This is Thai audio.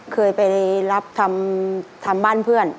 เคยไปรับทำบ้านเพื่อน